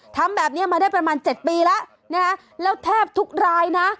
ทำแบบนี้มาได้ประมาณ๗ปีแล้วนะฮะแล้วแทบทุกรายนะ